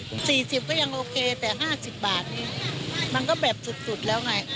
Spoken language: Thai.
๔๐ก็ยังโอเคแต่๕๐บาทมันก็แบบสุดแล้วไง